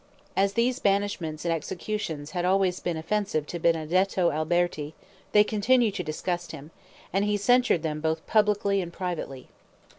As these banishments and executions had always been offensive to Benedetto Alberti, they continued to disgust him, and he censured them both publicly and privately.